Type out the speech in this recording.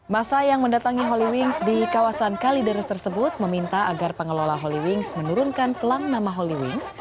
masa yang mendatangi holy wings di kawasan kalideres tersebut meminta agar pengelola holy wings menurunkan pelang nama holy wings